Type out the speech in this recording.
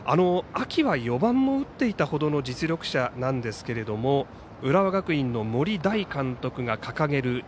秋は４番も打っていたほどの実力者なんですが浦和学院の森大監督が掲げる